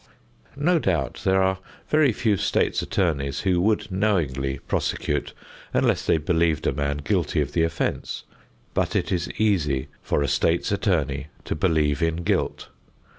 No doubt there are very few State's Attorneys who would knowingly prosecute unless they believed a man guilty of the offense, but it is easy for a State's Attorney to believe in guilt.